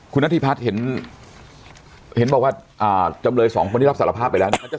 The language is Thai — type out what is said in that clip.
คุณนัทธิพัฒน์เห็นว่าจำเลย๒คนที่รับสารภาพไปแล้วจะ